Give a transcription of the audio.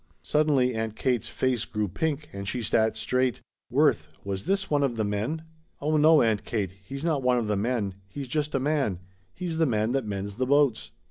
'" Suddenly Aunt Kate's face grew pink and she sat straight. "Worth, was this one of the men?" "Oh no, Aunt Kate. He's not one of the men. He's just a man. He's the man that mends the boats."